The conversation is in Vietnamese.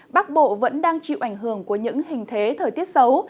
bắc bộ vẫn đang chịu ảnh hưởng của những hình thế thời tiết xấu